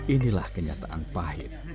inilah kenyataan pahit